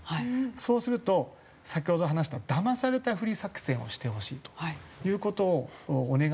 そうすると先ほど話しただまされたふり作戦をしてほしいという事をお願いされて。